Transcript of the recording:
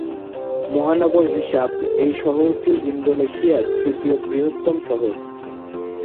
মহানগর হিসাব এই শহরটি ইন্দোনেশিয়ার তৃতীয় বৃহত্তম শহর।